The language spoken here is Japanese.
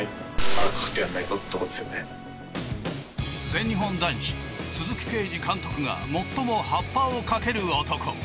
全日本男子鈴木桂治監督が最も発破をかける男。